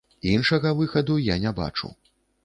Іншага выхаду я не бачу.